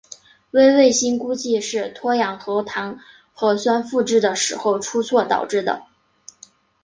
微卫星估计是脱氧核糖核酸复制的时候出错导致的。